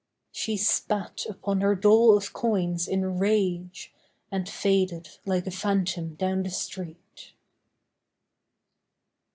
She spat upon her dole of coins in rage And faded like a phantom down the street.